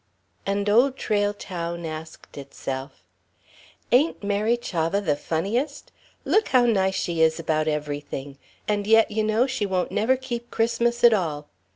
And Old Trail Town asked itself: "Ain't Mary Chavah the funniest? Look how nice she is about everything and yet you know she won't never keep Christmas at all.